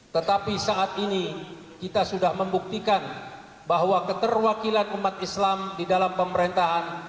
tetapi saat ini kita sudah membuktikan bahwa keterwakilan umat islam di dalam pemerintahan